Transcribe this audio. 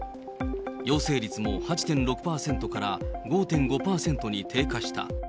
陽性率も８．６％から５．５％に低下した。